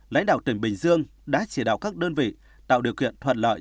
lãnh đạo tỉnh bình dương đã chỉ đạo các đơn vị tạo điều kiện thuận lợi